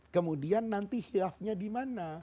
kemudian nanti hilafnya dimana